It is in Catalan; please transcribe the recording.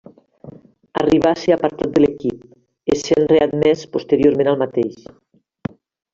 Arribà a ser apartar de l'equip essent readmès posteriorment al mateix.